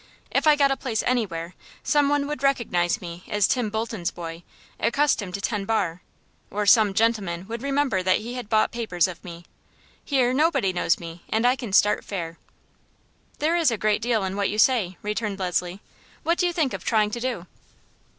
If I got a place anywhere some one would recognize me as Tim Bolton's boy accustomed to tend bar or some gentleman would remember that he had bought papers of me. Here nobody knows me, and I can start fair." "There is a great deal in what you say," returned Leslie. "What do you think of trying to do?"